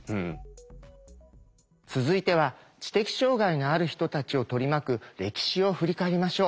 続いては知的障害のある人たちを取り巻く歴史を振り返りましょう。